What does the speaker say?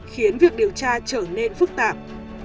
khiến việc điều tra trở nên phức tạp